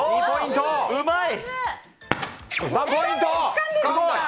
うまい！